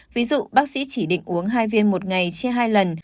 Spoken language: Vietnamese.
ví dụ bác sĩ chỉ định uống hai viên một ngày chia hai lần